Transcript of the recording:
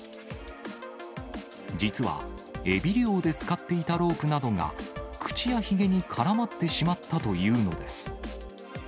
実はエビ漁で使っていたロープなどが、口やひげに絡まってしまったというのです。